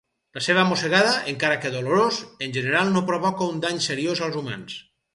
La seva mossegada, encara que dolorós, en general no provoca un dany seriós als humans.